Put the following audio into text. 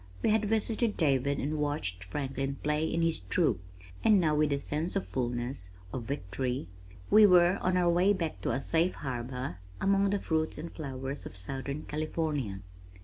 We had visited David and watched Franklin play in his "troupe," and now with a sense of fullness, of victory, we were on our way back to a safe harbor among the fruits and flowers of Southern California.